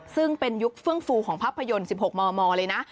ซึ่งเป็นยุคเฟื่องฟูของภาพยนตร์๑๖มมเลยนะ